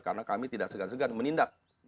karena kami tidak segan segan menindak